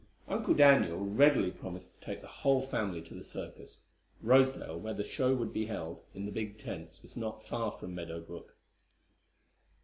Uncle Daniel readily promised to take the whole family to the circus. Rosedale, where the show would be held, in the big tents, was not far from Meadow Brook.